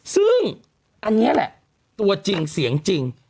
ซึ่งอันนี้แหละตัวจริงเสียงจริง